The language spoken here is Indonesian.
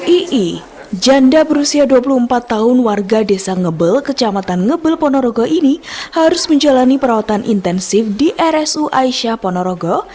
ii janda berusia dua puluh empat tahun warga desa ngebel kecamatan ngebel ponorogo ini harus menjalani perawatan intensif di rsu aisyah ponorogo